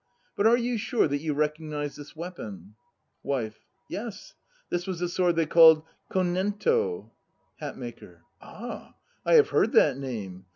But are you sure that you recognize this weapon? WIFE. Yes ; this was the sword they called Konnento. HATMAKER. Ah! I have heard that name.